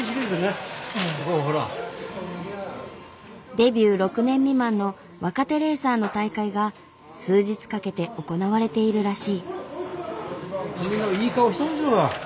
デビュー６年未満の若手レーサーの大会が数日かけて行われているらしい。